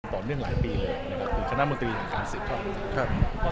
ต่อเรื่องหลายปีเลยคือคณะมูลตรีอย่างการ๑๐ช่วง